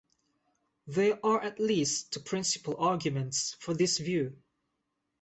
There are at least two principal arguments for this view.